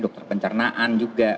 dokter pencernaan juga